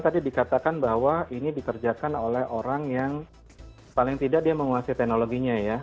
tadi dikatakan bahwa ini dikerjakan oleh orang yang paling tidak dia menguasai teknologinya ya